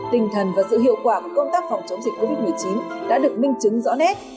tinh thần và sự hiệu quả của công tác phòng chống dịch covid một mươi chín đã được minh chứng rõ nét